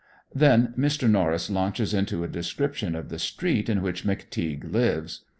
Then Mr. Norris launches into a description of the street in which "McTeague" lives.